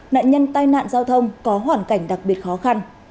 nạn nhân tai nạn giao thông có hoàn cảnh đặc biệt khó khăn